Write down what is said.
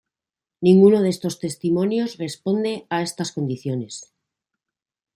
Ninguno de estos testimonios responde a estas condiciones.